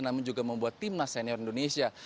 namun juga membuat tim nas senior indonesia